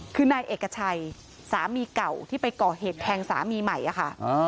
คือนายเอกชัยสามีเก่าที่ไปก่อเหตุแทงสามีใหม่อะค่ะ